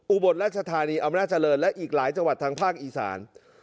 อุบลราชธานีอำนาจริงและอีกหลายจังหวัดทางภาคอีสาน